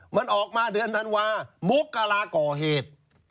มันออกมาเดือนธันวามกราก่อเหตุ